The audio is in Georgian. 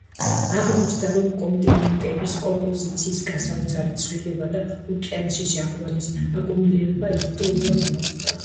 აღმოჩნდა, რომ კონტინენტების კომპოზიციის გასაოცარი ცვლილება და ოკეანეში ჟანგბადის აკუმულირება ერთდროულად მოხდა.